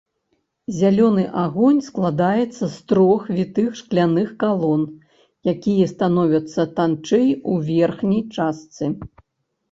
Зялёны агонь складаецца з трох вітых шкляных калон, якія становяцца танчэй у верхняй частцы.